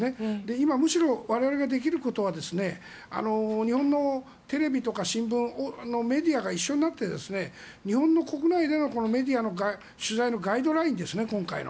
今、むしろ我々ができることは日本のテレビとか新聞メディアが一緒になって日本の国内でのメディアの取材のガイドラインですね、今回の。